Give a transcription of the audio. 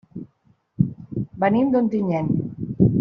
Venim d'Ontinyent.